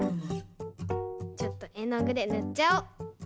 ちょっとえのぐでぬっちゃおう。